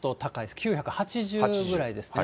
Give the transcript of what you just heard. ９８０ぐらいですね。